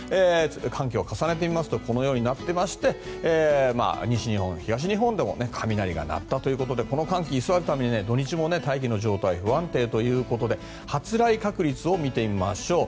寒気を重ねてみますとこのようになってまして西日本、東日本でも雷が鳴ったということでこの寒気が居座るために土日も大気の状態が不安定ということで発雷確率を見てみましょう。